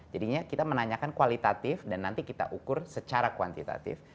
jadinya kita menanyakan kualitatif dan nanti kita ukur secara kuantitatif